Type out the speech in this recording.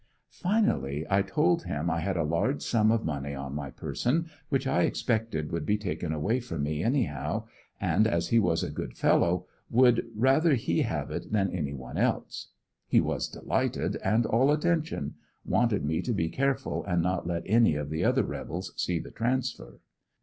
Finally told him I had a large sum of money on my person which I expected would be taken away from me anyway, and as he was a good fellow would ANDER80NVILLE DIARY. 11 rather he would have it than any one else. He was delighted and all attention, wanted me to be careful and not let any of the other rebels see the transfer.